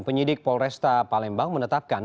penyidik polresta palembang menetapkan